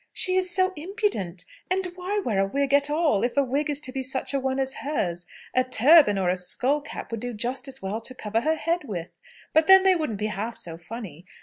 "She is so impudent! And why wear a wig at all, if a wig is to be such a one as hers? A turban or a skull cap would do just as well to cover her head with. But then they wouldn't be half so funny.